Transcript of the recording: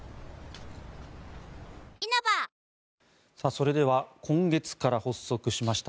それでは今月から発足しました